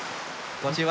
こんにちは。